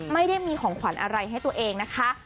ไม่ได้มีของขวัญอะไรให้ตัวเองนะคะ